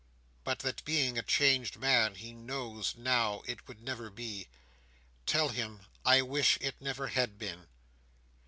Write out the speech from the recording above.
"—But that being a changed man, he knows, now, it would never be. Tell him I wish it never had been."